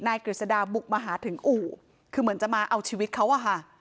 กฤษดาบุกมาหาถึงอู่คือเหมือนจะมาเอาชีวิตเขาอะค่ะ